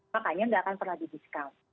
makanya nggak akan pernah di discount